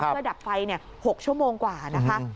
เพื่อดับไฟ๖ชั่วโมงกว่านะคะ